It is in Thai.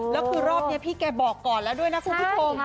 แล้วคือรอบนี้พี่แกบอกก่อนแล้วด้วยนะคุณผู้ชม